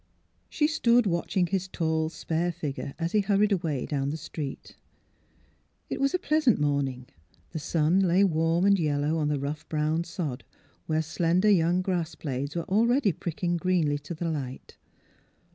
She stood watching his tall, spare figure as he hurried away down the street. It was a pleasant morning; the sun lay warm and yellow on the rough brown sod, where slender young grass blades were already pricking greenly to the light.